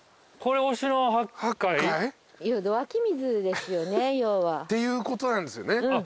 これ忍野八海？っていうことなんですよね。